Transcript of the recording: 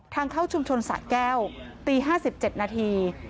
ทางเข้าชุมชนสะแก้วตี๕๗นาที